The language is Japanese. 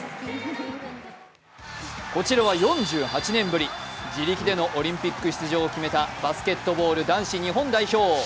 こちらは４８年ぶり、自力でのオリンピック出場を決めたバスケットボール日本代表。